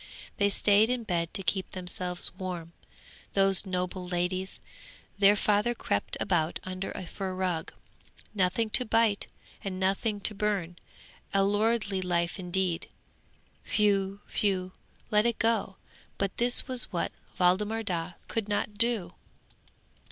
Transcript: They stayed in bed to keep themselves warm, those noble ladies. Their father crept about under a fur rug. Nothing to bite, and nothing to burn! a lordly life indeed! Whew! whew! let it go! But this was what Waldemar Daa could not do.